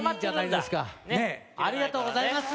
ありがとうございます。